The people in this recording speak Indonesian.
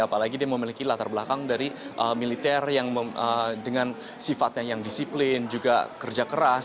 apalagi dia memiliki latar belakang dari militer yang dengan sifatnya yang disiplin juga kerja keras